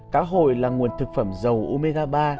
cá hồi là nguồn thực phẩm giàu omega ba